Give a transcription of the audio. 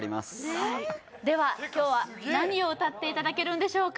はいでは今日は何を歌っていただけるんでしょうか？